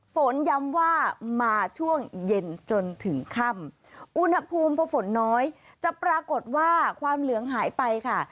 ฝนย้ำว่ามาช่วงเย็นจนถึงค่ำอุณหภูมิพอฝนน้อยจะปรากฏว่าความเหลืองหายไปค่ะ